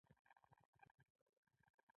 ښيښه یي میلې او وریښمينې ټوټې دواړو چارج اخیستی.